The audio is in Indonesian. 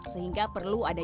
sehingga perlu ada jadwal